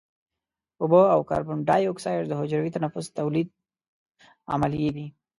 اوبه او کاربن دای اکساید د حجروي تنفس تولیدي عملیې دي.